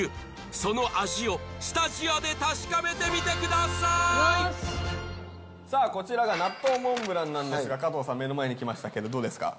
その味をスタジオで確かめてみてくださいさあこちらが納豆モンブランなんですが加藤さん目の前に来ましたけどどうですか？